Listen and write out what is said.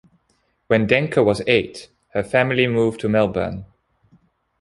When Denker was eight, her family moved to Melbourne.